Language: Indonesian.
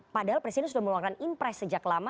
padahal presiden sudah mengeluarkan impress sejak lama